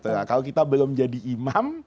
nah kalau kita belum jadi imam